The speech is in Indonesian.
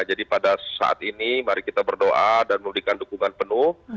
jadi pada saat ini mari kita berdoa dan menurunkan dukungan penuh